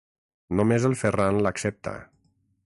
Només el Ferran l'accepta.